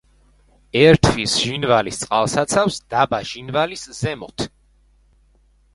ერთვის ჟინვალის წყალსაცავს დაბა ჟინვალის ზემოთ.